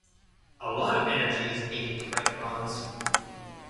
A lot of energy is needed to break bonds.